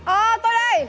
ờ tôi đây